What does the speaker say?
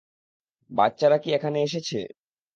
বাচ্চারা কি এখানে এসেছে?